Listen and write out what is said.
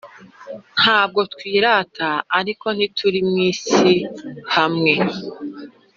ntabwo twirata, ariko nti turi mwi si hamwe?